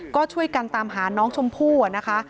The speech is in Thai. ก็ช่วยกันตามหาน้องชมพู่นะคะ